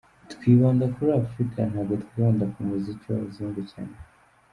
Twibanda kuri Afurika ntabwo twibanda ku muziki w’abazungu cyane.